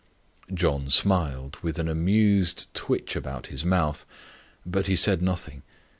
John smiled with an amused twitch about his mouth, but he said nothing.